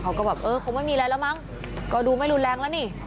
เขาก็แบบเออคงไม่มีอะไรแล้วมั้งก็ดูไม่รุนแรงแล้วนี่